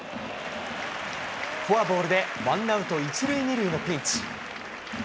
フォアボールでワンアウト１塁２塁のピンチ。